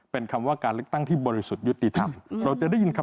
แต่ต้องได้อะไรมาบ้างนะ